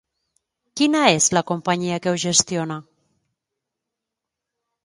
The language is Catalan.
Quina és la companyia que ho gestiona?